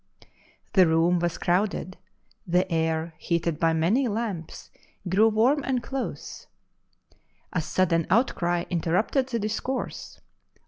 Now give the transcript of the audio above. The room was crowded; the air, heated by many lamps, grew RETURN TO JERUSALEM 93 warm and close. A sudden outcry interiupted the discourse.